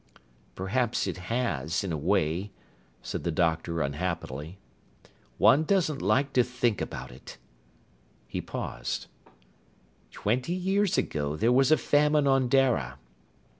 "Perhaps it has, in a way," said the doctor unhappily. "One doesn't like to think about it." He paused. "Twenty years ago there was a famine on Dara.